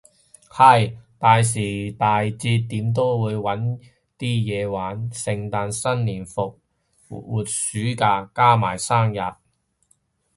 係，大時大節點都會搵啲嘢玩，聖誕新年復活暑假，加埋生日